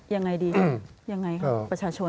ยังไงครับ๕๕๒วัน